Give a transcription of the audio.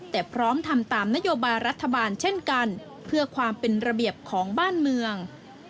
แต่พร้อมทำตามนโยบายรัฐบาลเช่นกันเพื่อความเป็นระเบียบของบ้านเมือง